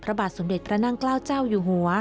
บาทสมเด็จพระนั่งเกล้าเจ้าอยู่หัว